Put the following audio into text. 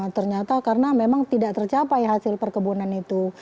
ternyata karena memang tidak tercapai hasil perkebunan itu